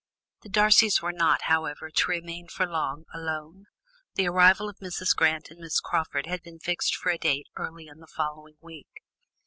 The Darcys were not, however, to remain for long alone, for the arrival of Mrs. Grant and Miss Crawford had been fixed for a date early in the following week.